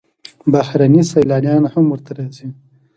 بهرني سیلانیان هم ورته راځي.